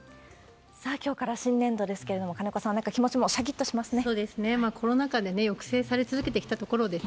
さあ、きょうから新年度ですけれども、金子さん、なんか気持ちもしゃきゃっとしますね。